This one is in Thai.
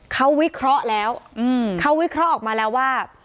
เขาวิเคราะห์แล้วเขาวิเคราะห์ออกมาแล้วว่า